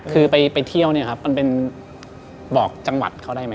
คือไปเที่ยวเนี่ยครับมันเป็นบอกจังหวัดเขาได้ไหม